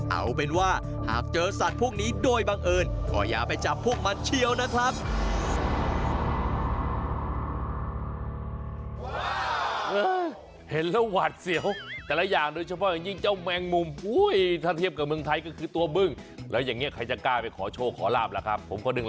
เอาเป็นว่าหากเจอสัตว์พวกนี้โดยบังเอิญก็อย่าไปจับพวกมันเชียวนะครับ